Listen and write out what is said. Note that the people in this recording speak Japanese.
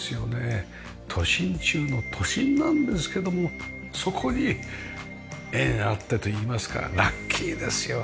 都心中の都心なんですけどもそこに縁あってといいますかラッキーですよね。